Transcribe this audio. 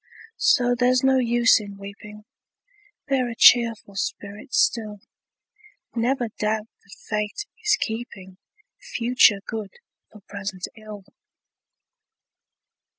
So there's no use in weeping, Bear a cheerful spirit still; Never doubt that Fate is keeping Future good for present ill!